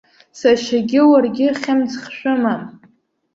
Сашьагьы уаргьы хьымӡӷ шәымам.